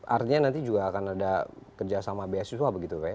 artinya nanti juga akan ada kerja sama bsuso apa begitu pak ya